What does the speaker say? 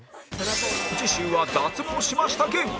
次週は脱毛しました芸人